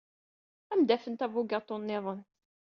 Ad am-d-afent abugaṭu niḍen.